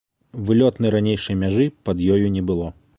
Вылётнай ранейшай мяжы пад ёю не было.